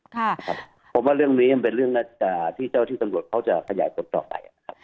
ค่ะผมว่าเรื่องนี้มันเป็นเรื่องที่เจ้าที่ตำรวจเขาจะขยายกดต่อไป